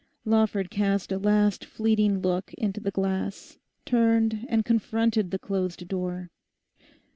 Lawford cast a last fleeting look into the glass, turned, and confronted the closed door.